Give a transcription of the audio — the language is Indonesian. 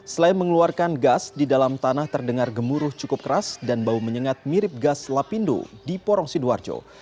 selain mengeluarkan gas di dalam tanah terdengar gemuruh cukup keras dan bau menyengat mirip gas lapindo di porong sidoarjo